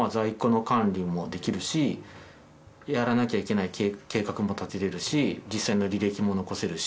やらなきゃいけない計画も立てられるし実際の履歴も残せるし。